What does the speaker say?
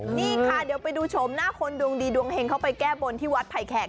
นี่ค่ะเดี๋ยวไปดูชมหน้าคนดวงดีดวงเฮงเขาไปแก้บนที่วัดไผ่แขก